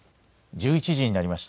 １１時になりました。